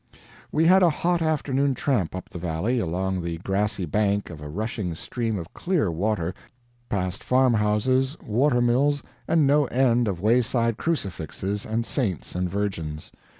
We had a hot afternoon tramp up the valley, along the grassy bank of a rushing stream of clear water, past farmhouses, water mills, and no end of wayside crucifixes and saints and Virgins.